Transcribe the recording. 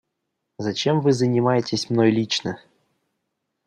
Зачем Вы занимаетесь мной лично?